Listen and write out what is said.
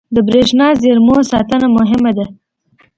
• د برېښنايي زېرمو ساتنه مهمه ده.